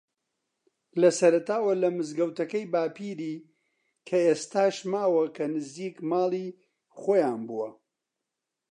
لە سەرەتاوە لە مزگەوتەکەی باپیری کە ئێستاش ماوە کە نزیک ماڵی خۆیان بووە